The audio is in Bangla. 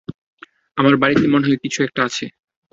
আমার বাড়িতে মনে হয় কিছু একটা আছে।